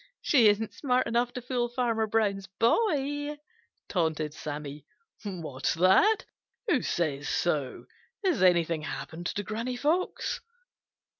"She isn't smart enough to fool Farmer Brown's boy," taunted Sammy. "What's that? Who says so? Has anything happened to Granny Fox?"